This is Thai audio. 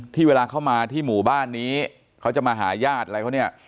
ที่เวลาเข้ามาที่หมู่บ้านนี้เขาจะมาหายาดอะไรพวกนี้